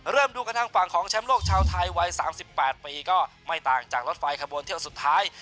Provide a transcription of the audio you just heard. ดูกันทางฝั่งของแชมป์โลกชาวไทยวัย๓๘ปีก็ไม่ต่างจากรถไฟขบวนเที่ยวสุดท้าย